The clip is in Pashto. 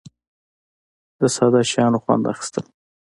د ساده شیانو څخه خوند اخیستل.